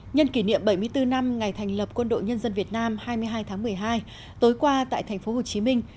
nhân kỷ niệm bảy mươi bốn năm ngày thành lập quân đội nhân dân việt nam hai mươi hai tháng một mươi hai tối qua tại thành phố hồ chí minh